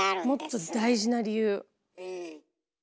もっと大事な理由。